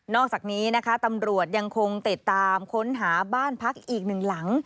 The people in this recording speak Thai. อกจากนี้นะคะตำรวจยังคงติดตามค้นหาบ้านพักอีกหนึ่งหลัง